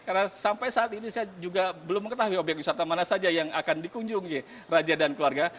karena sampai saat ini saya juga belum mengetahui obyek wisata mana saja yang akan dikunjungi raja dan keluarga